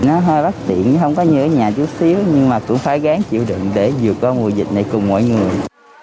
nó hơi bất tiện không có như ở nhà chút xíu nhưng mà cũng phải gán chịu đựng để vừa có mùa dịch này cùng mọi người